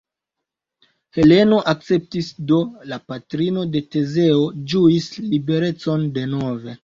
Heleno akceptis, do la patrino de Tezeo ĝuis liberecon denove.